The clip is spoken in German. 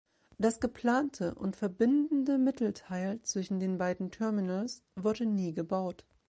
Das geplante und verbindende Mittelteil zwischen den beiden Terminals wurde nie gebaut.